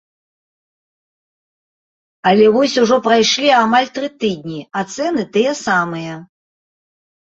Але вось ужо прайшлі амаль тры тыдні, а цэны тыя самыя.